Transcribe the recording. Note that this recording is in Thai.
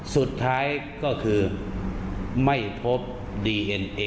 สุดท้ายก็คือไม่พบดีเอ็นเอลุงพลป้าแตน